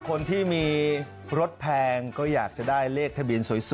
คนที่มีรถแพงก็อยากจะได้เลขทะเบียนสวย